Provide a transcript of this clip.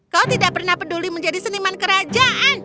kau tidak pernah peduli menjadi seniman kerajaan